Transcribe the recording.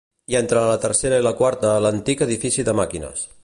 I entre la tercera i la quarta, l'antic edifici de màquines.